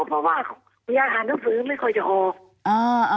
เพราะว่าคุณยายหาหน้าฟื้นไม่ค่อยจะห่อ